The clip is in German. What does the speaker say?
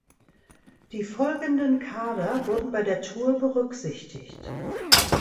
Die folgenden Kader wurden bei der Tour berücksichtigt.